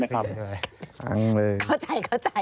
พังเลย